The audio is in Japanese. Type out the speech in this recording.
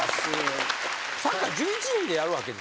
サッカー１１人でやるわけですよ。